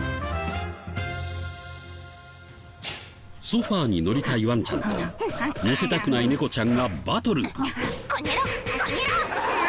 ソファに乗りたいワンちゃんと乗せたくない猫ちゃんがバトル。